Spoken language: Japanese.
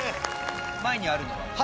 前にあるのは？